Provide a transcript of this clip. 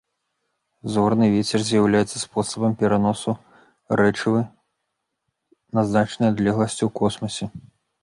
Зорны вецер з'яўляецца спосабам пераносу рэчывы на значныя адлегласці ў космасе.